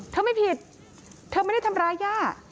ไม่ผิดเธอไม่ได้ทำร้ายย่า